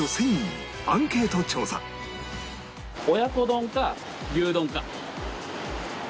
親子丼か牛丼か。